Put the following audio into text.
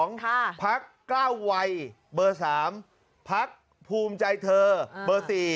ค่ะพรรคกล้าววัยเบอร์๓พรรคภูมิใจเธอเบอร์๔